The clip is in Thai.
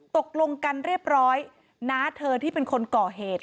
ตกลงกันเรียบร้อยน้าเธอที่เป็นคนก่อเหตุ